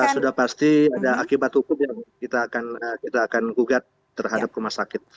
sudah pasti ada akibat hukum yang kita akan gugat terhadap rumah sakit